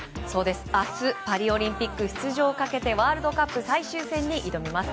明日パリオリンピック出場をかけてワールドカップ最終戦に挑みます。